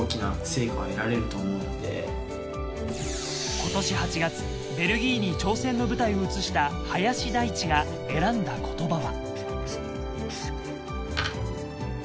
今年８月、ベルギーに挑戦の舞台を移した林大地が選んだ言葉は。